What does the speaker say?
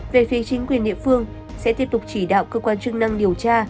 về phía chính quyền địa phương sẽ tiếp tục chỉ đạo cơ quan chức năng điều tra